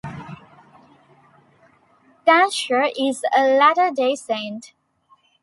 Dantzscher is a Latter-day Saint.